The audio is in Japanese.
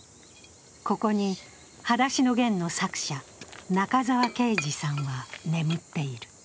ここに「はだしのゲン」の作者中沢啓治さんは眠っている。